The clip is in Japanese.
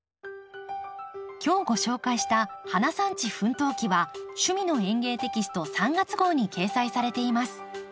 今日ご紹介した「花産地奮闘記」は「趣味の園芸」テキスト３月号に掲載されています。